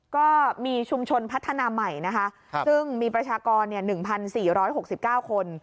ก็มีชุมชนพัฒนาใหม่นะคะซึ่งมีประชากร๑๔๖๙คน